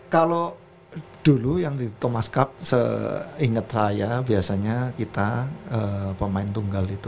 kalau dulu yang di thomas cup seingat saya biasanya kita pemain tunggal itu